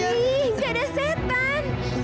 ih enggak ada setan